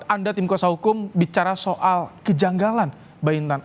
anda tim kuasa hukum bicara soal kejanggalan mbak intan